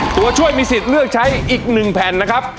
ตัวช่วยมีศิษฐ์เลือกใช้อีกหนึ่งแผ่นนะครับ